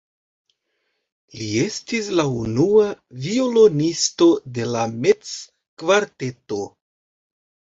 Li estis la unua violonisto de la Metz-kvarteto.